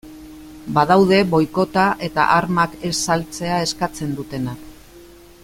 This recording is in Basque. Badaude boikota eta armak ez saltzea eskatzen dutenak.